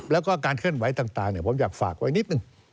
แล้วก็การเคลื่อนไหวต่างผมอยากฝากไว้นิดนึง